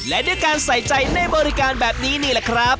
และด้วยการใส่ใจในบริการแบบนี้นี่แหละครับ